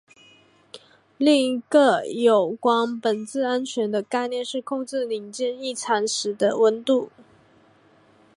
另一个有关本质安全的概念是控制零件异常时的温度。